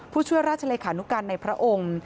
ผู้ช่วยราชเลขานุการในพระองค์